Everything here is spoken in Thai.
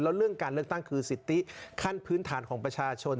แล้วเรื่องการเลือกตั้งคือสิทธิขั้นพื้นฐานของประชาชน